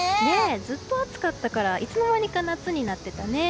ずっと暑かったからいつの間にか夏になってたね。